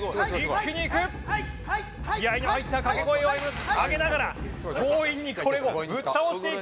気合の入った掛け声を上げながら強引にこれをぶっ倒していく。